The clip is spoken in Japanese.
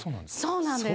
そうなんです。